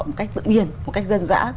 một cách tự nhiên một cách dân dã